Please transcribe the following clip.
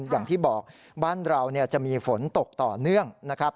อย่างที่บอกบ้านเราจะมีฝนตกต่อเนื่องนะครับ